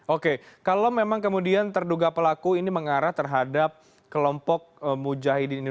oke kalau memang kemudian terduga pelaku ini mengarah terhadap kelompok mujahidin ini